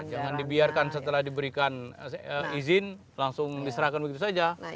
jangan dibiarkan setelah diberikan izin langsung diserahkan begitu saja